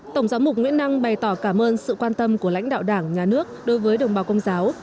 tổng giáo mục nguyễn năng bày tỏ cảm ơn sự quan tâm của lãnh đạo đảng nhà nước đối với đồng bào công giáo